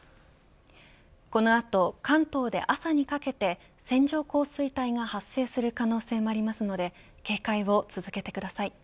この後、関東で朝にかけて線状降水帯が発生する可能性もありますので警戒を続けてください。